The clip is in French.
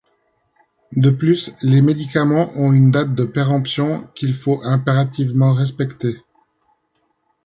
De plus, les médicaments ont une date de péremption qu'il faut impérativement respecter.